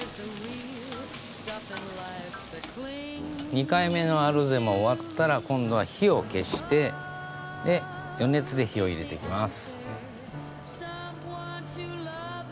２回目のアロゼも終わったら今度は火を消して余熱で火を入れていきます。